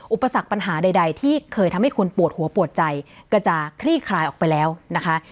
อุปสรรคปัญหาใดที่เคยทำให้คุณปวดหัวปวดใจก็จะคลี่คลายออกไปแล้วนะคะ